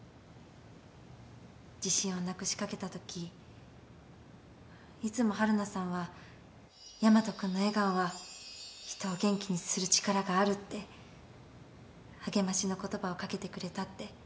自信をなくしかけたときいつも春菜さんはヤマト君の笑顔は人を元気にする力があるって励ましの言葉を掛けてくれたって。